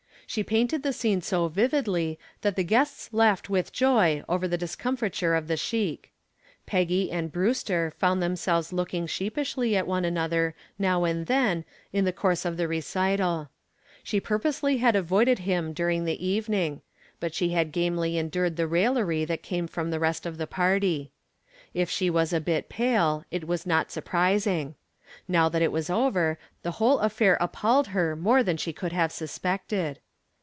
She painted the scene so vividly that the guests laughed with joy over the discomfiture of the sheik. Peggy and Brewster found themselves looking sheepishly at one another now and then in the course of the recital. She purposely had avoided him during the evening, but she had gamely endured the raillery that came from the rest of the party. If she was a bit pale, it was not surprising. Now that it was over the whole affair appalled her more than she could have suspected.